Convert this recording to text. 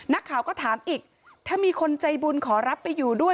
นักข่าวก็ถามอีกถ้ามีคนใจบุญขอรับไปอยู่ด้วย